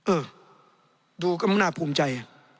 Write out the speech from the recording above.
เออดูก็มันน่าภูมิใจ